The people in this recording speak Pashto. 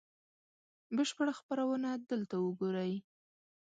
بشپړه خپرونه دلته وګورئ